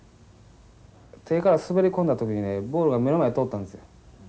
手ぇから滑り込んだ時にねボールが目の前通ったんですよ。